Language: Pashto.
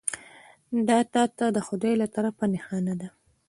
دا تا ته د خدای له طرفه نښانه ده .